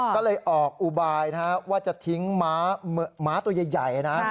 ก็เลยออกอุบายว่าจะทิ้งม้าตัวใหญ่นะ